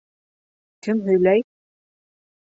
Кем һөйләй?